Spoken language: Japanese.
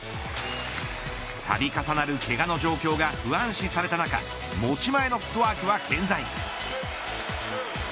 度重なるけがの状況が不安視された中持ち前のフットワークは健在。